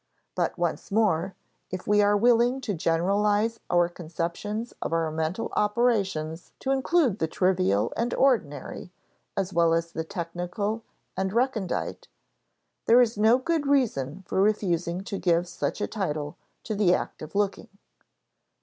But once more, if we are willing to generalize our conceptions of our mental operations to include the trivial and ordinary as well as the technical and recondite, there is no good reason for refusing to give such a title to the act of looking.